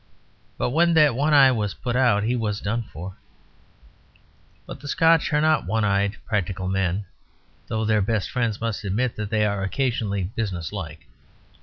But when that one eye was put out he was done for. But the Scotch are not one eyed practical men, though their best friends must admit that they are occasionally business like.